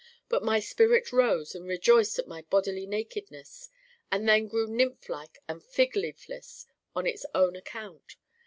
But my spirit rose and rejoiced at my bodily nakedness and then grew nymph like and figleafless on its own account.